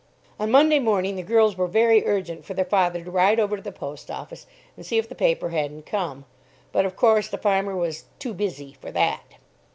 On Monday morning the girls were very urgent for their father to ride over to the post office and see if the paper hadn't come; but, of course, the farmer was "too busy" for that.